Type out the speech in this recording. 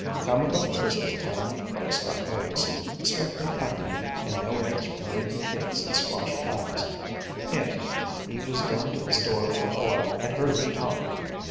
"Come about Christmas time folks got nervous, expectin' company and no eggs for makin' cakes and squash pies. Eph, he was down to the store for oil and heard the talk.